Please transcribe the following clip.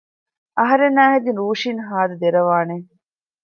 އަހަރެންނާހެދި ރޫޝިން ހާދަ ދެރަވާނެ